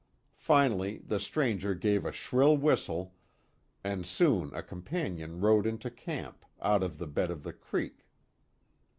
Finally the stranger gave a shrill whistle, and soon a companion rode into camp, out of the bed of the creek.